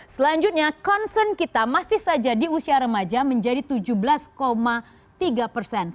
selanjutnya concern kita masih saja di usia remaja menjadi tujuh belas tiga persen